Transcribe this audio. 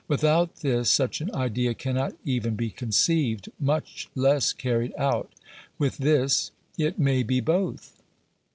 Without this, such an idea cannot even be conceived, ' much less carried out ; with this, it may be both.